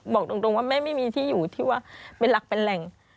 บอกตรงว่าแม่ไม่มีที่อยู่ที่ว่าเป็นหลักเป็นแหล่ง